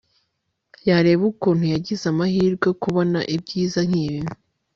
yareba ukuntu yagize amahirwe kubona ibyiza nkibi